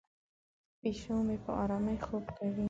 پیشو مې په آرامۍ خوب کوي.